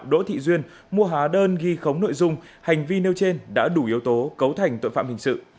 đỗ thị duyên mua hóa đơn ghi khống nội dung hành vi nêu trên đã đủ yếu tố cấu thành tội phạm hình sự